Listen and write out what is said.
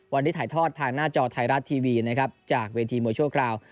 วันนี้ถ่ายทอดทางหน้าจอไทยรัฐทีวีนะครับจากเวทีมวยชั่วคราว